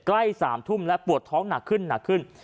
ใกล้๓ทุ่มและปวดท้องหนักขึ้นหนักขึ้น